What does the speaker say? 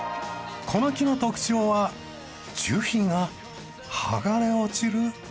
この木の特徴は樹皮が剥がれ落ちる事。